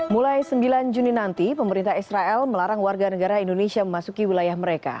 mulai sembilan juni nanti pemerintah israel melarang warga negara indonesia memasuki wilayah mereka